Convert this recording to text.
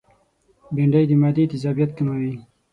بېنډۍ د معدې تيزابیت کموي